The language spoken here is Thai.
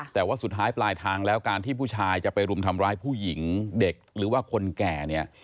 แต่ว่าสุดท้ายปลายทางแล้วการที่ผู้ชายจะไปรุมทำร้ายผู้หญิงเด็กหรือว่าคนแก่เนี่ย